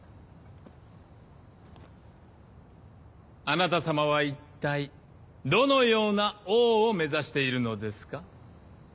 あなた様は一体どのような王を目指しているのですか？